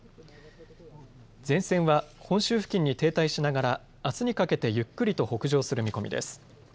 前線は本州付近に停滞しながらあすにかけてゆっくりと北上する見込みです。